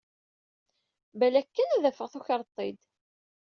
Balak kan ad afeɣ tukreḍ-t-id!